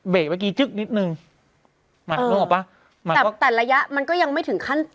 เบรกเมื่อกี้จึ๊กนิดหนึ่งเออแต่ระยะมันก็ยังไม่ถึงขั้น